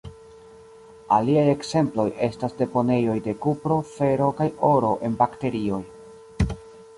Aliaj ekzemploj estas deponejoj de kupro, fero kaj oro en bakterioj.